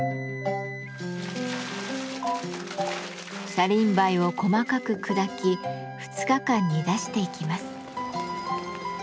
車輪梅を細かく砕き２日間煮出していきます。